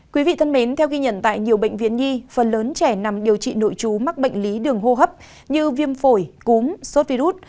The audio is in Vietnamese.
quý vị thân mến theo ghi nhận tại nhiều bệnh viện nhi phần lớn trẻ nằm điều trị nội chú mắc bệnh lý đường hô hấp như viêm phổi cúm sốt virus